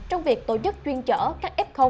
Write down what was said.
trong việc tổ chức chuyên chở các f